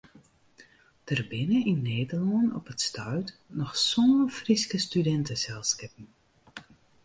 Der binne yn Nederlân op it stuit noch sân Fryske studinteselskippen.